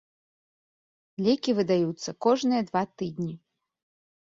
Лекі выдаюцца кожныя два тыдні.